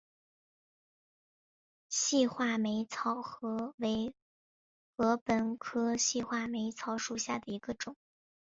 细画眉草为禾本科细画眉草属下的一个种。